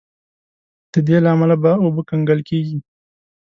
د دې له امله به اوبه کنګل کیږي.